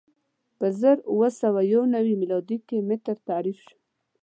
په زر اووه سوه یو نوې میلادي کې متر تعریف شو.